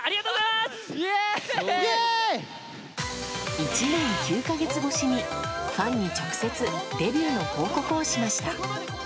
１年９か月越しにファンに直接デビューの報告をしました。